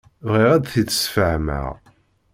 Bɣiɣ ad t-id-sfehmeɣ.